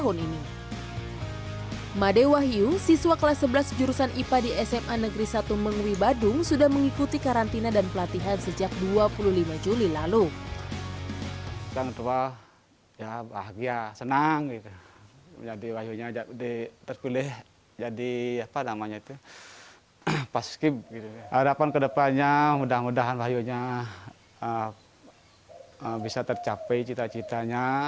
harapan ke depannya mudah mudahan wahyu bisa tercapai cita citanya